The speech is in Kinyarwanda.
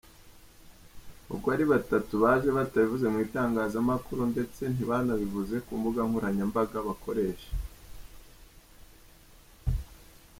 Uko ari batatu, baje batabivuze mu itangazamakuru ndetse ntibanabivuze ku mbuga nkoranyambaga bakoresha.